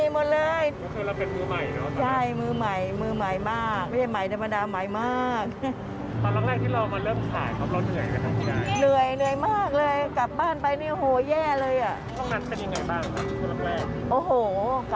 คุณยายคิดเองปรับปรุงตัวเองมาได้ตลอดเลยลูก